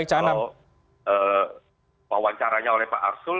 kalau wawancaranya oleh pak arsul